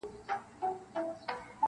په دې کور کي فقط دا سامان را ووت ,